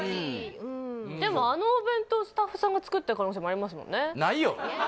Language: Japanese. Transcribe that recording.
でもあのお弁当スタッフさんが作ってる可能性もありますもんねないよ